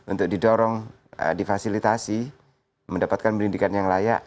untuk didorong difasilitasi mendapatkan pendidikan yang layak